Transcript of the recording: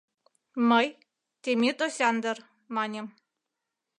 — Мый, Темит Осяндр, — маньым.